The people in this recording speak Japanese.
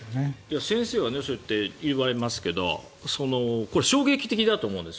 先生はそうやって言われますけどこれ、衝撃的だと思うんです。